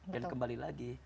dan kembali lagi